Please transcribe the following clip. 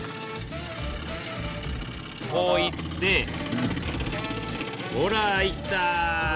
こういってほらあいた。